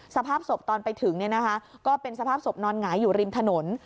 สภาพสบตอนไปถึงเนี่ยนะคะก็เป็นสภาพสบนอนหงายอยู่ริมถนน